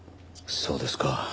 そうですか。